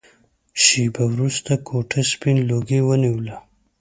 شېبه وروسته کوټه سپين لوګي ونيوله.